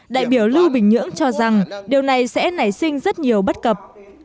đại biểu lưu bình nhưỡng cho rằng điều này sẽ nảy sinh rất nhiều bất cập